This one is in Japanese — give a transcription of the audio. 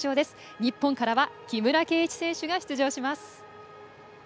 日本からは木村敬一選手が出場します。